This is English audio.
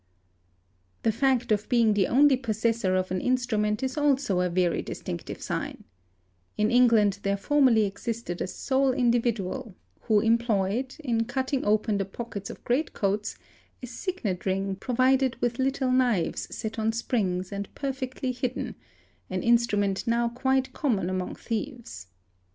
4 The fact of being the only possessor of an instrument is also a vel distinctive sign. In England there formerly existed a sole individual, '°—— i. ~ ey >? a th ue i oe? b*, gl :; Bah THE THEFT ITSELF 707 who employed, in cutting open the pockets of greatcoats, a signet ring _ provided with little knives set on springs and perfectly hidden—an instrument now quite common among thieves.